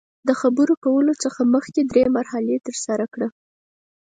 د خبرو کولو څخه مخکې درې مرحلې ترسره کړه.